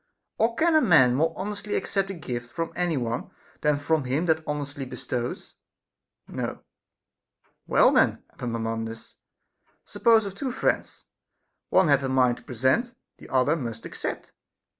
Or can a man more honestly accept a gift from any one, than from him that honestly bestows ? No. Well then, Epaminondas, suppose of two friends, one hath a mind to present, the other must accept.